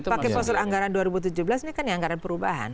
pakai postur anggaran dua ribu tujuh belas ini kan yang anggaran perubahan